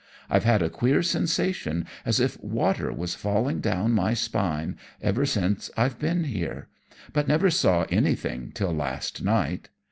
I've had a queer sensation, as if water was falling down my spine, ever since I've been here, but never saw anything till last night.